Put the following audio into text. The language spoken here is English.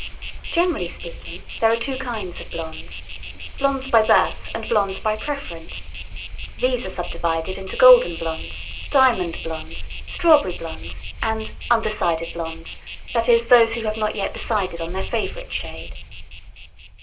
Generally speaking, there are two kinds of blondes: blondes by birth and blondes by preference. These are subdivided into golden blondes, diamond blondes, strawberry blondes and undecided blondes; that is, those who have not yet decided on their favorite shade.